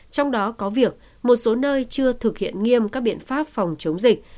trong đó có việc một số nơi chưa thực hiện nghiêm các biện pháp phòng chống dịch